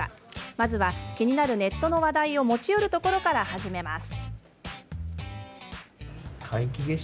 まずは、気になるネットの話題を持ち寄るところから始めます。